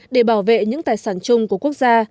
để bảo vệ những tài sản chung của quốc gia